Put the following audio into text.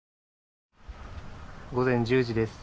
午前１０時です。